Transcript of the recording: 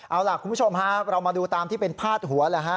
เอาล่ะคุณผู้ชมฮะเรามาดูตามที่เป็นพาดหัวแหละฮะ